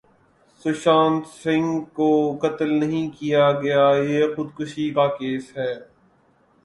سشانت سنگھ کو قتل نہیں کیا گیا یہ خودکشی کا کیس ہے